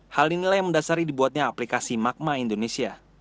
hal inilah yang mendasari dibuatnya aplikasi magma indonesia